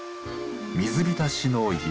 水浸しの床。